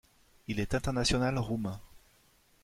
Il est international roumain.